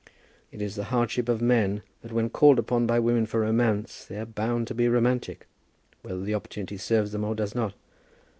It is the hardship of men that when called upon by women for romance, they are bound to be romantic, whether the opportunity serves them or does not.